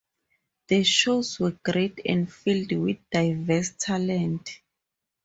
The shows were great and filled with diverse talent.